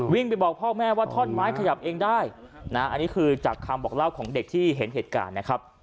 ไปบอกพ่อแม่ว่าท่อนไม้ขยับเองได้นะอันนี้คือจากคำบอกเล่าของเด็กที่เห็นเหตุการณ์นะครับ